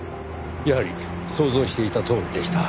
やはり想像していたとおりでした。